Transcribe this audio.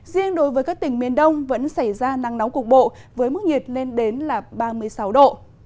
riêng đối với các tỉnh miền đông vẫn xảy ra nắng nóng cục bộ với mức nhiệt lên đến ba mươi sáu độ